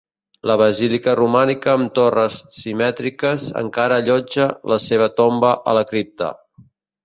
La basílica romànica amb torres simètriques encara allotja la seva tomba a la cripta.